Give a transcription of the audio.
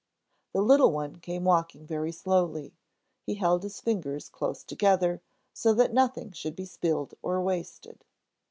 The little one came walking very slowly. He held his fingers close together, so that nothing should be spilled or wasted.